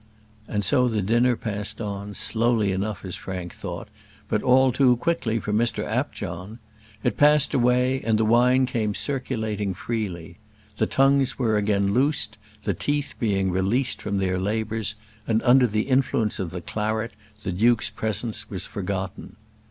And so the dinner passed on, slowly enough as Frank thought, but all too quickly for Mr Apjohn. It passed away, and the wine came circulating freely. The tongues again were loosed, the teeth being released from their labours, and under the influence of the claret the duke's presence was forgotten.